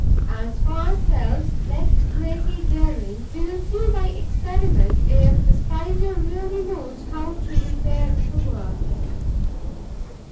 As for ourselves, less greatly daring, we will first enquire; we will see by experiment if the Spider really knows how to repair her work.